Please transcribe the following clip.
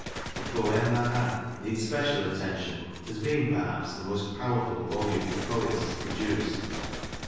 The " Poemes Marins " need special attention, as being, perhaps, the most powerful volume the poet has pro duced.